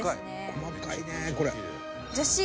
細かいねこれ。